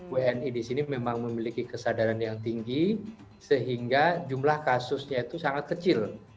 wni di sini memang memiliki kesadaran yang tinggi sehingga jumlah kasusnya itu sangat kecil